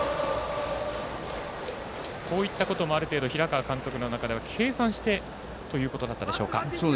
こういったこともある程度平川監督の中では計算してということだったでしょうか。